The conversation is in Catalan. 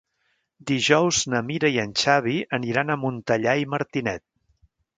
Dijous na Mira i en Xavi aniran a Montellà i Martinet.